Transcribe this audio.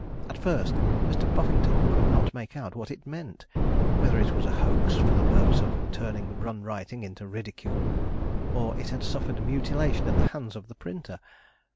At first, Mr. Puffington could not make out what it meant, whether it was a hoax for the purpose of turning run writing into ridicule, or it had suffered mutilation at the hands of the printer.